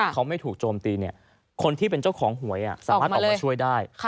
เขาไม่ถูกโจมตีคนที่เป็นเจ้าของหวยสามารถออกมาช่วยได้